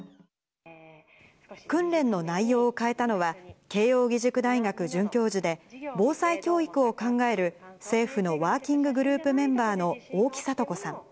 訓練の内容を変えたのは、慶應義塾大学准教授で、防災教育を考える政府のワーキンググループメンバーの大木聖子さん。